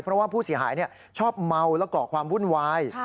เพราะว่าผู้เสียหายชอบเมาและก่อความวุ่นวาย